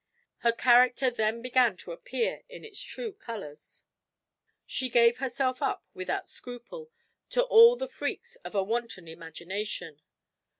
Her character then began to appear in its true colors. She gave herself up, without scruple, to all the freaks of a wanton imagination.